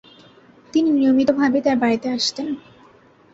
তিনি নিয়মিতভাবেই তার বাড়িতে আসতেন।